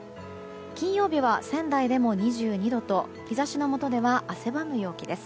金曜日は仙台でも２２度と日差しのもとでは汗ばむ陽気です。